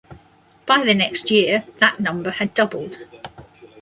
By the next year, that number had doubled.